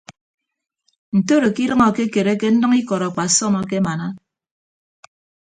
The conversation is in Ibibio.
Ntoro ke idʌñ akekereke nnʌñ ikọd akpasọm akemana.